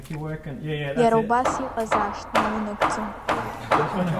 Иара убас иҟазаашт наунагӡа.